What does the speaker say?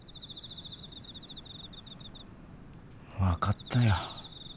分かったよ。